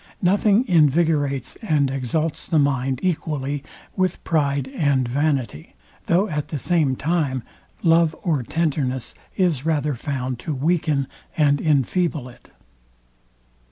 Nothing invigorates and exalts the mind equally with pride and vanity; though at the same time love or tenderness is rather found to weaken and infeeble it.